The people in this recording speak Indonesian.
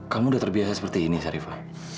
kamu udah terbiasa seperti ini syarifah